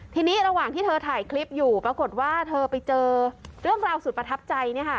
ทีนี้ระหว่างที่เธอถ่ายคลิปอยู่ปรากฏว่าเธอไปเจอเรื่องราวสุดประทับใจ